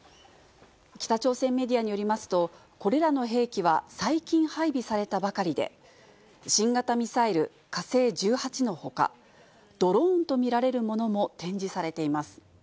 北朝鮮メディアによりますと、これらの兵器は最近、配備されたばかりで、新型ミサイル火星１８のほか、ドローンと見られるものも展示されています。